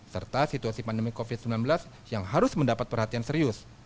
serta situasi pandemi covid sembilan belas yang harus mendapat perhatian serius